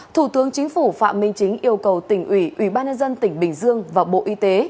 thủ tướng chính phủ phạm minh chính yêu cầu tỉnh ủy ủy ban nhân dân tỉnh bình dương và bộ y tế